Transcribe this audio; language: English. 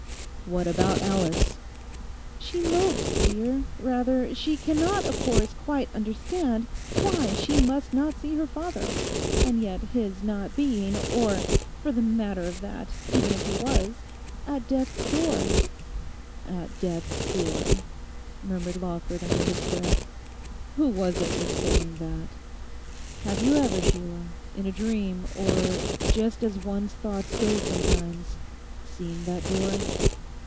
'What about Alice?' 'She mopes, dear, rather. She cannot, of course, quite understand why she must not see her father, and yet his not being, or, for the matter of that, even if he was, at death's door.' 'At death's door,' murmured Lawford under his breath; 'who was it was saying that? Have you ever, Sheila, in a dream, or just as one's thoughts go sometimes, seen that door?...